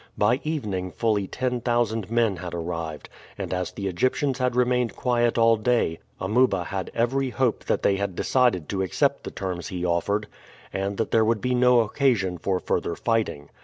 By evening fully ten thousand men had arrived, and as the Egyptians had remained quiet all day Amuba had every hope that they had decided to accept the terms he offered, and that there would be no occasion for further fighting.